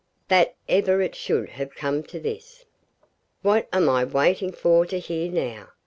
That ever it should have come to this! What am I waiting for to hear now?